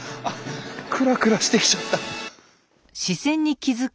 クラクラしてきちゃった。